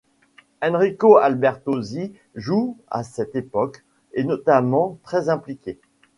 Enrico Albertosi joue à cette époque, est notamment très impliqué.